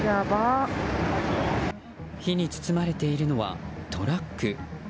火に包まれているのはトラック。